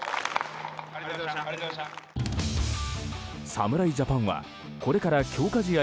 侍ジャパンはこれから強化試合